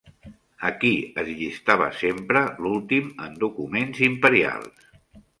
A qui es llistava sempre l'últim en documents imperials?